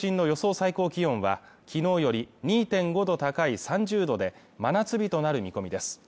最高気温はきのうより２．５度高い３０度で真夏日となる見込みです。